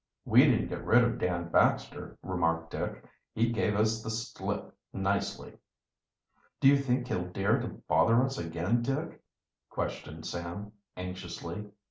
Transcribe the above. "We didn't get rid of Dan Baxter," remarked Dick. "He gave us the slip nicely." "Do you think he'll dare to bother us again, Dick?" questioned Sam anxiously.